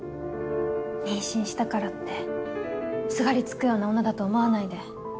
妊娠したからってすがりつくような女だと思わないで。